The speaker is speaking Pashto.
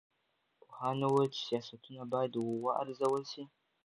پوهانو وویل چې سیاستونه باید وارزول سي.